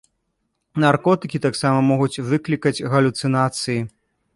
Наркотыкі таксама могуць выклікаць галюцынацыі.